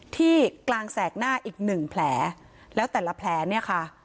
ที่กลางแสกหน้าอีกหนึ่งแผลแล้วแต่ละแผลเนี่ยค่ะ